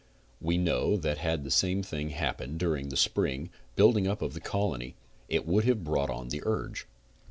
We know that had the same thing happened during the spring building up of the colony it would have brought on the urge.